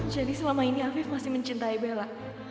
jadi selama ini afif masih mencintai bella